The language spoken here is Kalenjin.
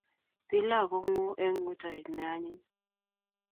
Pilau konguu eng ngutoet ne anyiny